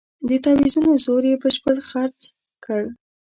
د تاویزونو زور یې بشپړ خرڅ کړ.